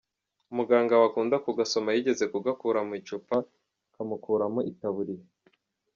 Umuganga wakunda kugasoma yigeze kugakura mu icupa kamukuramo itaburiya.